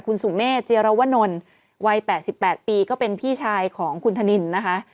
คุณสุเมฆเจียรวนลวัย๘๘ปีก็เป็นพี่ชายของคุณธนินนะคะ